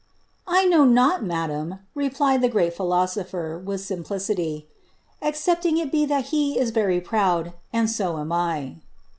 *'^ I know not, madam, replied the great philoeopher, with simplicity, ^excepting it be that he is very proud, and so am 1.